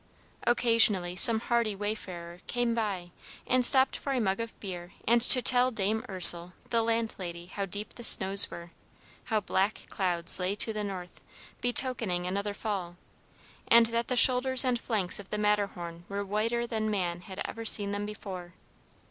Occasionally some hardy wayfarer came by and stopped for a mug of beer and to tell Dame Ursel, the landlady, how deep the snows were, how black clouds lay to the north, betokening another fall, and that the shoulders and flanks of the Matterhorn were whiter than man had ever seen them before.